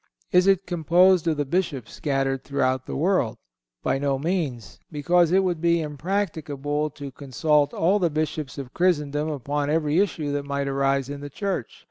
Is it composed of the Bishops scattered throughout the world? By no means, because it would be impracticable to consult all the Bishops of Christendom upon every issue that might arise in the Church.